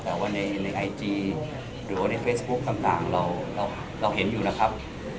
แต่ว่าในไอจีหรือว่าในเฟซบุ๊คต่างเราเห็นอยู่นะครับ